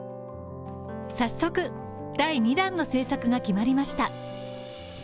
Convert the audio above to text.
早速、第２弾の制作が決まりました。